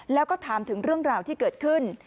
แล้วก็ถามถึงเรื่องราวที่เกิดขึ้น